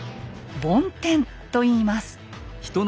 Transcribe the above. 「梵天」といいます。